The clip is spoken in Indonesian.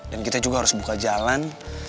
dan kita juga harus buka jalan